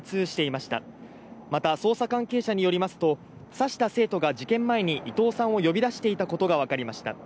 また、捜査関係者によりますと、刺した生徒が事件前に伊藤さんを呼び出していたことが分かりました。